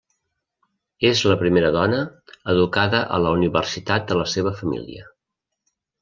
És la primera dona educada a la universitat de la seva família.